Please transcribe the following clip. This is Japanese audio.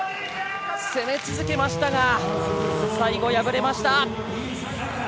攻め続けましたが最後、敗れました。